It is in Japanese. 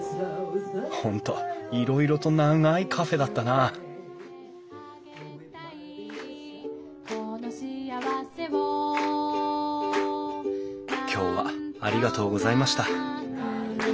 本当いろいろと長いカフェだったな今日はありがとうございました。